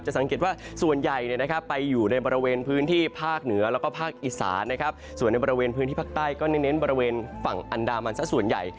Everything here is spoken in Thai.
สังเกตว่าส่วนใหญ่ไปอยู่ในบริเวณพื้นที่ภาคเหนือแล้วก็ภาคอีสานนะครับส่วนในบริเวณพื้นที่ภาคใต้ก็เน้นบริเวณฝั่งอันดามันสักส่วนใหญ่